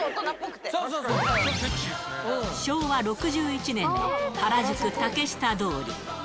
昭和６１年、原宿・竹下通り。